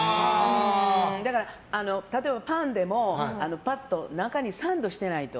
だから、例えばパンでも中にサンドしてないと。